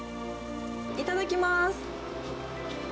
いただきます。